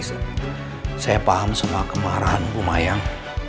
saya paham semua kemarahan bu mayang